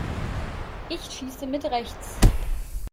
Ich schieße mit rechts.